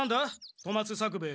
富松作兵衛。